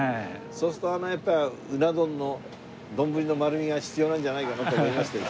そうするとやっぱうな丼の丼の丸みが必要なんじゃないかなと思いましてですね。